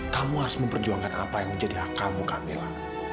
kamu harus memperjuangkan apa yang menjadi hak kamu kamila